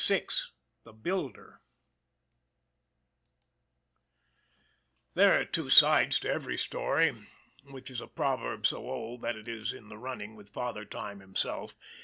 VI THE BUILDER THERE are two sides to every story which is a proverb so old that it is in the running with Father Time himself.